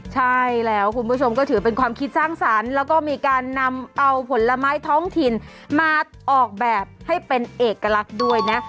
ใช่แล้วคุณผู้ชมก็ถือเป็นความคิดสร้างสรรค์แล้วก็มีการนำเอาผลไม้ท้องถิ่นมาออกแบบให้เป็นเอกลักษณ์ด้วยนะ